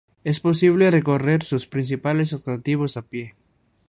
Es posible recorrer sus principales atractivos a pie.